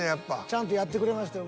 ［ちゃんとやってくれました